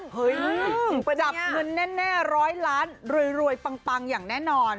เฮ้ยจับเงินแน่ร้อยล้านรวยปังอย่างแน่นอน